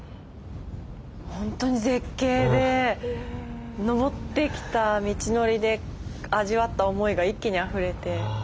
本当に絶景で登ってきた道のりで味わった思いが一気にあふれて。